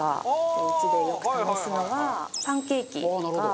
うちでよく試すのはパンケーキとか。